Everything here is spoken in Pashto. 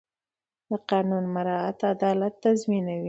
د قانون مراعت عدالت تضمینوي